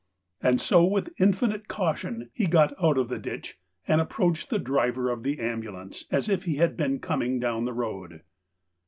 And so with infinite caution he got out of the ditch and approached the driver of the ambu lance as if he had been coming down the road.